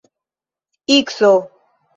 ikso